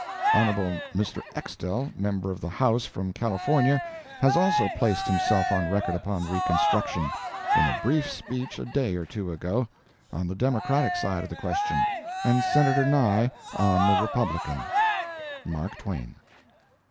Hon. Mr. Axtell, member of the House from California, has also placed himself on record upon reconstruction, in a brief speech a day or two ago, on the Democratic side of the question, and Senator Nye on the Republican. MARK TWAIN.